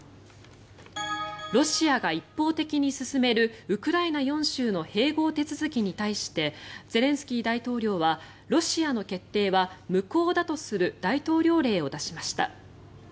ロシアが一方的に進めるウクライナ４州の併合手続きに対してゼレンスキー大統領はロシアの決定は無効だとする大統領令を出しました。